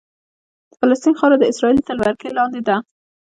د فلسطین خاوره د اسرائیلو تر ولکې لاندې ده.